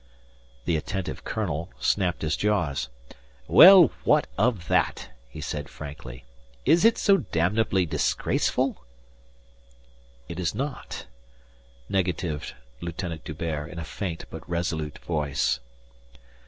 The attentive colonel snapped his jaws. "Well, what of that?" he said frankly. "Is it so damnably disgraceful?" "It is not," negatived Lieutenant D'Hubert in a faint but resolute voice.